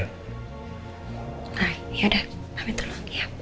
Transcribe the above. nah ya udah amin dulu